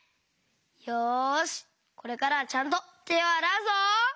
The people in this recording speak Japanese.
よしこれからはちゃんとてをあらうぞ！